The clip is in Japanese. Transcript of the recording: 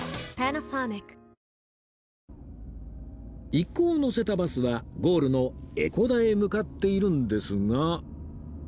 一行を乗せたバスはゴールの江古田へ向かっているんですが